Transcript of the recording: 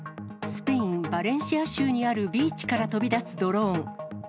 スペイン・バレンシア州にあるビーチから飛び出すドローン。